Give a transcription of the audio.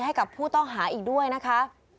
ให้กับผู้ต้องหาอีกด้วยนะคะ